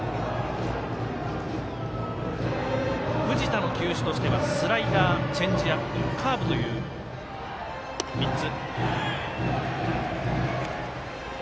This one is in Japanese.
藤田の球種としてはスライダー、チェンジアップカーブという３つ。